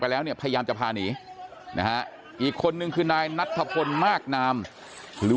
แล้วเนี่ยพยายามจะพาหนีนะฮะอีกคนนึงคือนายนัทธพลมากนามหรือ